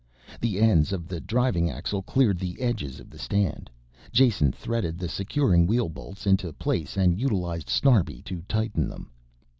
The ends of the driving axle cleared the edges of the stand, Jason threaded the securing wheel bolts into place and utilized Snarbi to tighten them.